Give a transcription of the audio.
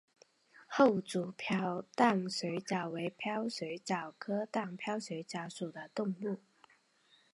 厚足荡镖水蚤为镖水蚤科荡镖水蚤属的动物。